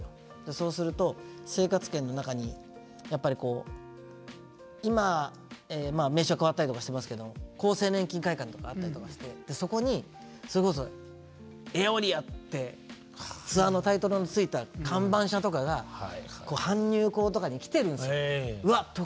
そうすると生活圏の中にやっぱりこう今まあ名称変わったりとかしてますけど厚生年金会館とかあったりとかしてそこにそれこそ「エオリア」ってツアーのタイトルのついた看板車とかが搬入口とかに来てるんですよ。